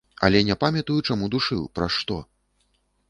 Але не памятаю, чаму душыў, праз што.